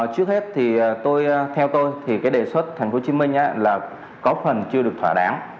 trước hết thì tôi theo tôi thì cái đề xuất thành phố hồ chí minh là có phần chưa được thỏa đáng